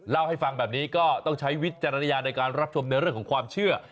เล่าให้ฟังแบบนี้ก็ต้องใช้วิจารณญาณในการรับชมในเรื่องของความเชื่อ